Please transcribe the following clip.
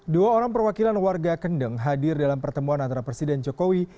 dua orang perwakilan warga kendeng hadir dalam pertemuan antara presiden jokowi